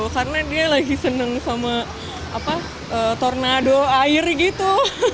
karena dia lagi seneng sama tornado air gitu